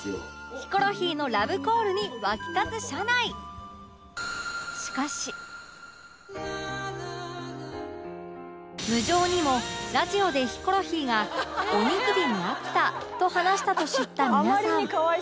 ヒコロヒーの無情にもラジオでヒコロヒーが「おにぎりに飽きた」と話したと知った皆さん